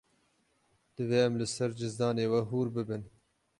Divê em li ser cizdanê we hûr bibin.